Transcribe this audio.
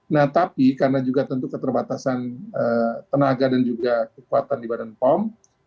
nah tapi karena juga tentu keterbatasan tenaga dan juga kekuatan di badan pom